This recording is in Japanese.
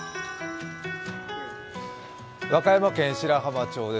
和歌山県白浜町です。